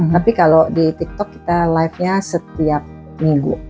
tapi kalau di tiktok kita live nya setiap minggu